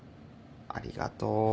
ありがとう。